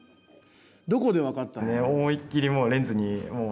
どこで分かったの？